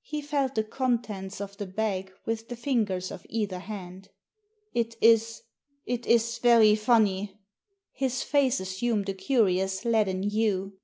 He felt the contents of the bag with the fingers of either hand. " It is — it is very funny." His face assumed a curious leaden hue.